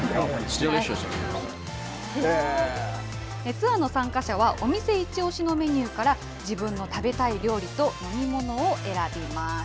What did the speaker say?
ツアーの参加者は、お店一押しのメニューから自分の食べたい料理と飲み物を選びます。